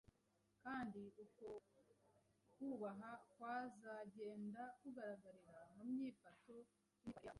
Kandi uko kubaha kuzagenda kugaragarira mu nyifato n’imyitwarire yabo,